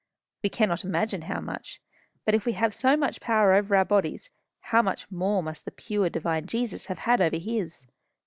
We cannot imagine how much; but if we have so much power over our bodies, how much more must the pure, divine Jesus, have had over his!